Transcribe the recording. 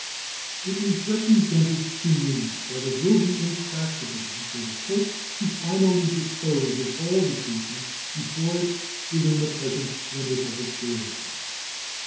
It is represented to me that it will be impracticable for the court to finally dispose of all the cases before it within the present limit of its duration.